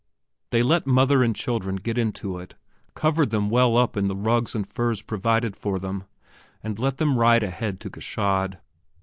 They let mother and children get into it, covered them well up in the rugs and furs provided for them and let them ride ahead to Gschaid.